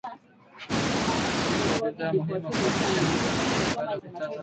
kuwa na akiba ya bidhaa muhimu na kubadilisha njia usafarishaji bidhaa kupitia Tanzania .